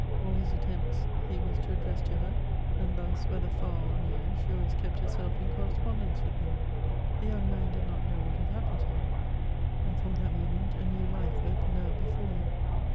All his attempts he was to address to her, and thus, whether far or near, she always kept herself in correspondence with him. The young man did not know what had happened to him, and from that moment a new life opened out before him.